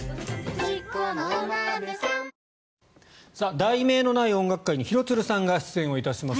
「題名のない音楽会」に廣津留さんが出演をいたします。